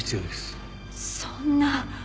そんな！